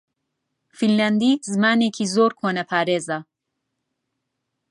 فینلاندی زمانێکی زۆر کۆنەپارێزە.